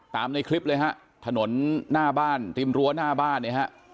ในคลิปเลยฮะถนนหน้าบ้านริมรั้วหน้าบ้านเนี่ยฮะ